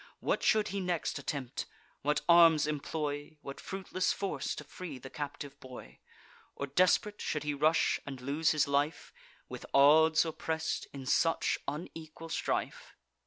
What should he next attempt? what arms employ, What fruitless force, to free the captive boy? Or desperate should he rush and lose his life, With odds oppress'd, in such unequal strife?